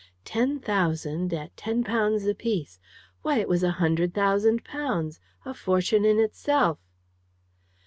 Ten thousand at ten pounds a piece why, it was a hundred thousand pounds! A fortune in itself!